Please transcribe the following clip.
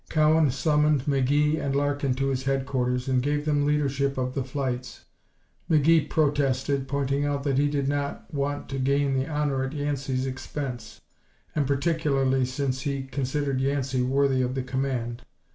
Cowan summoned McGee and Larkin to his headquarters and gave them leadership of the flights. McGee protested, pointing out that he did not want to gain the honor at Yancey's expense, and particularly since he considered Yancey worthy of the command.